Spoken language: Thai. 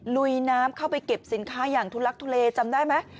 ลุยน้ำเข้าไปเก็บสินค้าอย่างทุลักทุเลจำได้ไหม